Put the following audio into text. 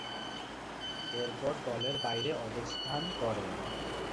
এরপর দলের বাইরে অবস্থান করেন।